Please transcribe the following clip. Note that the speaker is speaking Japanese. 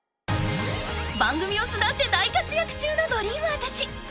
［番組を巣立って大活躍中のドリーマーたち］